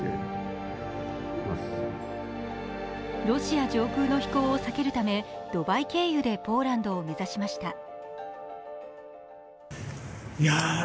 ロシア上空の飛行を避けるためドバイ経由でポーランドを目指しました。